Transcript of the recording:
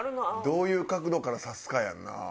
どういう角度から刺すかやんな。